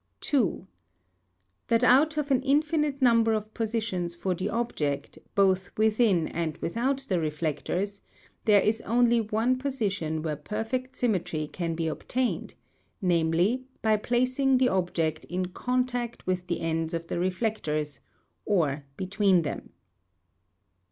2. That out of an infinite number of positions for the object Iboth within and without the reflectors, there is only one position where perfect symmetry can be obtained, namely, by placing the object in contact with the ends of the reflectors, or between them.